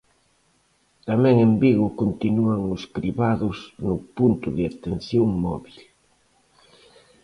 Tamén en Vigo continúan os cribados no punto de atención móbil.